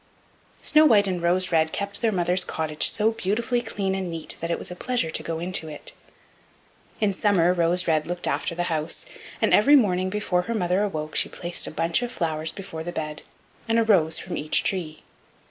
Snow white and Rose red kept their mother's cottage so beautifully clean and neat that it was a pleasure to go into it. In summer Rose red looked after the house, and every morning before her mother awoke she placed a bunch of flowers before the bed, from each tree a rose.